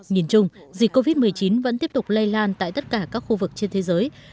nhìn chung dịch covid một mươi chín vẫn tiếp tục lây lan tại tất cả các khu vực trên thế giới